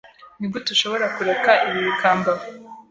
Nigute ushobora kureka ibi bikambaho?